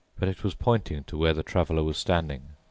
But it was pointing to where the Traveler was standing.